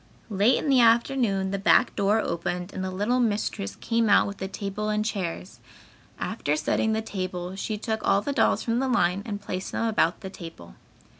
Late in the afternoon the back door opened and the little mistress came out with a table and chairs. After setting the table she took all the dolls from the line and placed them about the table.